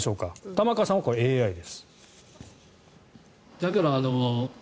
玉川さんはこれ、ＡＩです。